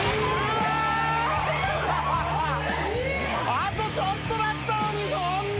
あとちょっとだったのにそんな！